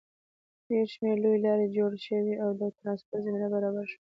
ډېر شمېر لویې لارې جوړې شوې او د ټرانسپورټ زمینه برابره شوه.